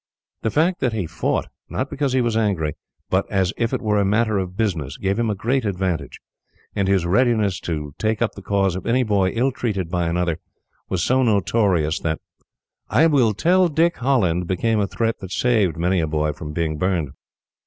The fact that he fought, not because he was angry, but as if it were a matter of business, gave him a great advantage; and his readiness to take up the cause of any boy ill treated by another was so notorious, that "I will tell Dick Holland" became a threat that saved many a boy from being burned.